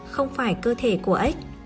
không phải cơ thể của ếch